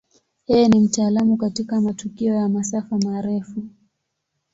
Yeye ni mtaalamu katika matukio ya masafa marefu.